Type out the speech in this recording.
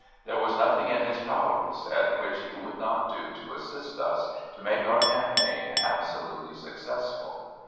There was nothing in his power, he said, which he would not do to assist us, to make our campaign absolutely successful.